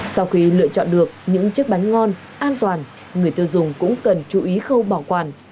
sau khi lựa chọn được những chiếc bánh ngon an toàn người tiêu dùng cũng cần chú ý khâu bảo quản